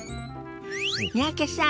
三宅さん